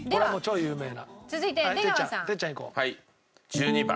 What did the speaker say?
１２番。